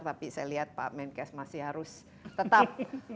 tapi saya lihat pak menkes masih harus tetap